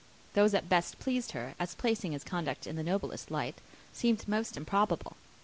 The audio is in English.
Those that best pleased her, as placing his conduct in the noblest light, seemed most improbable.